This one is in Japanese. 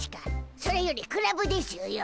それよりクラブでしゅよ。